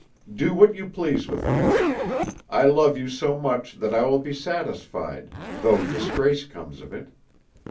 Do what you please with me; I love you so much that I will be satisfied, though disgrace comes of it.